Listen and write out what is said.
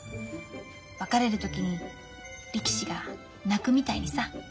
別れる時に力士が泣くみたいにさ。